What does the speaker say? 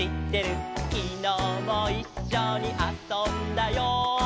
「きのうもいっしょにあそんだよ」